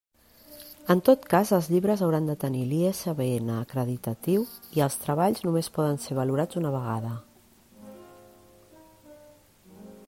En tot cas els llibres hauran de tenir l'ISBN acreditatiu, i els treballs només poden ser valorats una vegada.